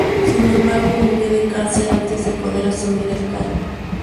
Sin embargo, murió de cáncer antes de poder asumir el cargo.